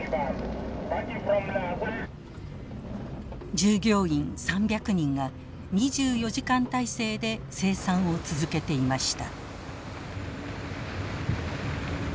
従業員３００人が２４時間体制で生産を続けていました。